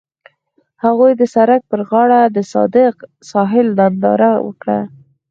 هغوی د سړک پر غاړه د صادق ساحل ننداره وکړه.